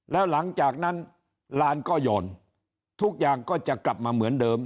แล้วหลังจากนั้นลานก็หย่อนทุกอย่างก็จะกลับมาเหมือนเดิม